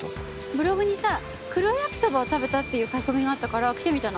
ブログにさ黒焼きそばを食べたっていう書き込みがあったから来てみたの。